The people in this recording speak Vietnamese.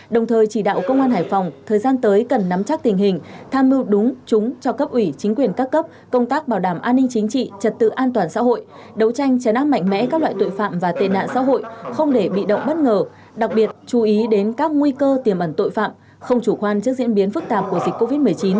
đồng thời chỉ đạo công an hải phòng thời gian tới cần nắm chắc tình hình tham mưu đúng chúng cho cấp ủy chính quyền các cấp công tác bảo đảm an ninh chính trị trật tự an toàn xã hội đấu tranh chấn áp mạnh mẽ các loại tội phạm và tên nạn xã hội không để bị động bất ngờ đặc biệt chú ý đến các nguy cơ tiềm ẩn tội phạm không chủ quan trước diễn biến phức tạp của dịch covid một mươi chín